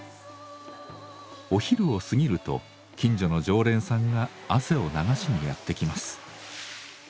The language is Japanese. お昼を過ぎると近所の常連さんが汗を流しにやって来ます。